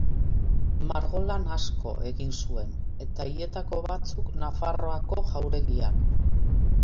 Margolan asko egin zuen, eta haietako batzuk Nafarroako jauregian.